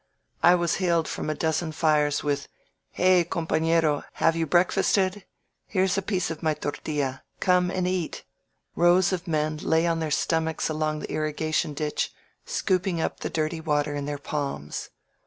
I was hailed from a dozen fires with *^Hey, compafierOf have you break 280 BETWEEN ATTACKS fasted? Here is a piece of my tortiUa. Come and eat !" Rows of men lay flat on their stomachs along the irri gation ditch, scooping up the dirty water in their palms.